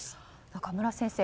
中村先生